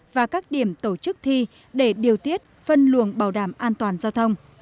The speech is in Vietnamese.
và các điểm tổ chức thi để điều tiết phân luồng bảo đảm an toàn giao thông